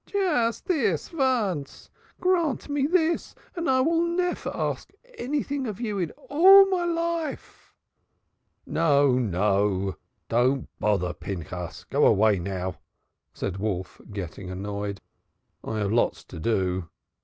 "Just dis vonce. Grant me dis, and I vill nevair ask anyding of you in all my life." "No, no. Don't bother, Pinchas. Go away now," said Wolf, getting annoyed. "I have lots to do."